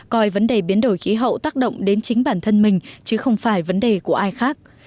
coi vấn đề biến đổi khí hậu tác động đến chính bản thân mình chứ không phải vấn đề của ai khác